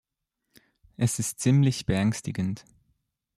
Es ist ziemlich beängstigend.